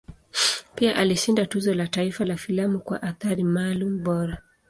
Pia alishinda Tuzo la Taifa la Filamu kwa Athari Maalum Bora.